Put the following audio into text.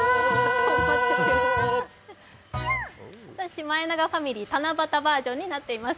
シマエナガファミリー七夕バージョンになっています。